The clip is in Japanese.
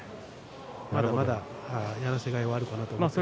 まだまだ、やらせがいがあるかなと思います。